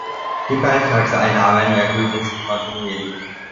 Die Beitragseinnahmen erhöhten sich kontinuierlich.